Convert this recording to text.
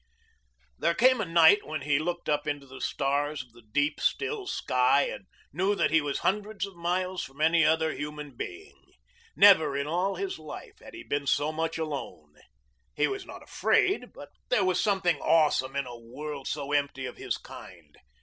There came a night when he looked up into the stars of the deep, still sky and knew that he was hundreds of miles from any other human being. Never in all his life had he been so much alone. He was not afraid, but there was something awesome in a world so empty of his kind.